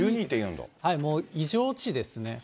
もう異常値ですね。